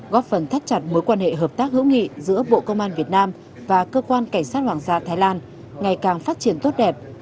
góp phần thắt chặt mối quan hệ hợp tác hữu nghị giữa bộ công an việt nam và cơ quan cảnh sát hoàng gia thái lan ngày càng phát triển tốt đẹp